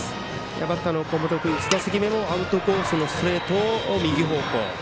バッターの岡本君１打席目もアウトコースのストレートを右方向。